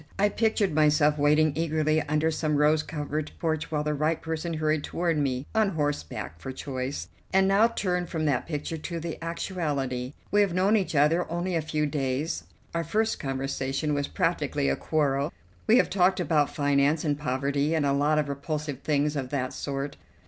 I pictured myself waiting eagerly under some rose covered porch while the right person hurried toward me, on horseback for choice. And now turn from that picture to the actuality. We have known each other only a few days; our first conversation was practically a quarrel; we have talked about finance, and poverty, and a lot of repulsive things of that sort.